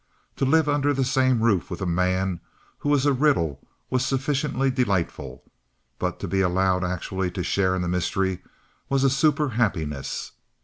To live under the same roof with a man who was a riddle was sufficiently delightful; but to be allowed actually to share in the mystery was a superhappiness.